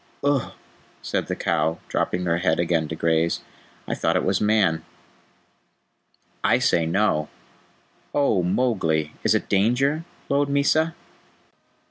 "Uhh!" said the cow, dropping her head again to graze, "I thought it was Man." "I say no. Oh, Mowgli, is it danger?" lowed Mysa.